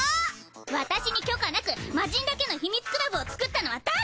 私に許可なくマジンだけの秘密クラブを作ったのは誰！？